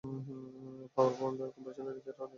পাওয়ার বন্ধের পর কম্প্রেসরের রিসেট হতে সময় লাগে।